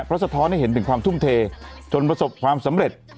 เพราะสะท้อนให้เห็นถึงความทุ่มเทจนประสบความสำเร็จ